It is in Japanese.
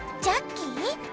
ジャッキー？